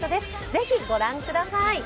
ぜひご覧ください。